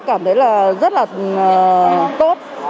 cảm thấy là rất là tốt